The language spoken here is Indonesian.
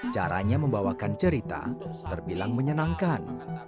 caranya membawakan cerita terbilang menyenangkan